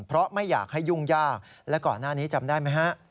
เพราะไม่อยากให้ยุ่งยากและก่อนหน้านี้จำได้ไหมฮะ